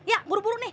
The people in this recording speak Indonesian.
ya buru buru nih